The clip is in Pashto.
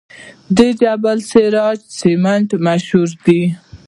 د جبل السراج سمنټ مشهور دي